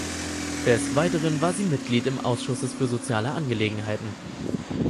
Des Weiteren war sie Mitglied im Ausschusses für soziale Angelegenheiten.